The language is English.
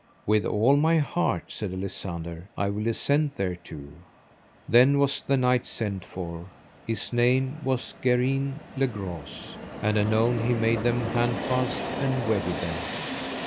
With all my heart, said Alisander, I will assent thereto. Then was the knight sent for, his name was Gerine le Grose. And anon he made them handfast, and wedded them.